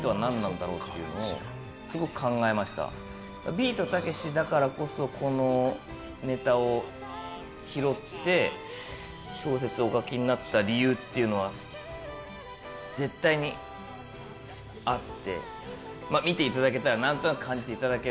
ビートたけしだからこそ、このネタを拾って小説をお書きになった理由が絶対にある。